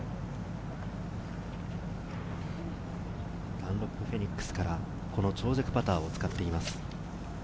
ダンロップフェニックスから長尺パターを使っています。